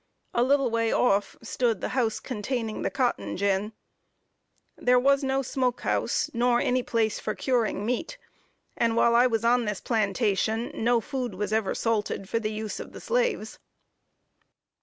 A little way off stood the house containing the cotton gin. There was no smoke house, nor any place for curing meat, and while I was on this plantation no food was ever salted for the use of the slaves.